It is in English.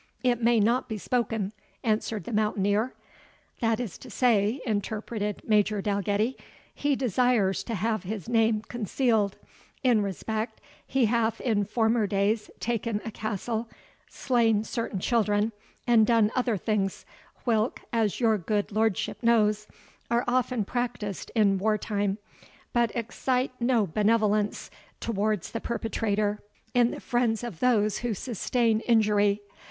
"It may not be spoken," answered the mountaineer. "That is to say," interpreted Major Dalgetty, "he desires to have his name concealed, in respect he hath in former days taken a castle, slain certain children, and done other things, whilk, as your good lordship knows, are often practised in war time, but excite no benevolence towards the perpetrator in the friends of those who sustain injury.